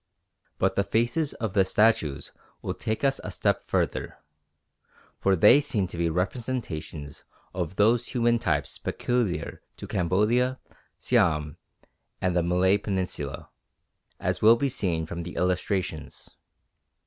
But the faces of the statues will take us a step further: for they seem to be representations of those human types peculiar to Cambodia, Siam, and the Malay Peninsula, as will be seen from the illustrations.